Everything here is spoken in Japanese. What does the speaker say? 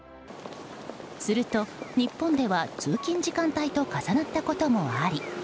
すると、日本では通勤時間帯と重なったこともあり。